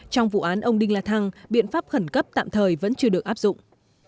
trong vụ án ông đinh la thăng biện pháp khẩn cấp tạm thời vẫn chưa được áp dụng